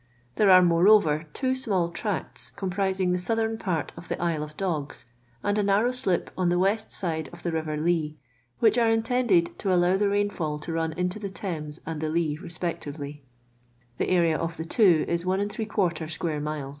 I There are, moreover, two small tracts. c.:>n: , i)ri. ,ing the southeni part of the Isle of Do ra, and a narrow slip on the west side of the river Lea, ! which are intended to allow the raiiu'aU lo ruD into the Thames and the Lea respt; cti\elv. I The area of the two is 1 ^ square mile.